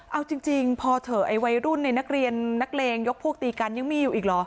เอาจริงพอเถอะไอ้วัยรุ่นในนักเรียนนักเลงยกพวกตีกันยังมีอยู่อีกเหรอ